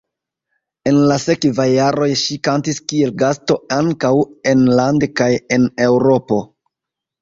En la sekvaj jaroj ŝi kantis kiel gasto ankaŭ enlande kaj en Eŭropo.